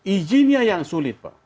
ijinnya yang sulit pak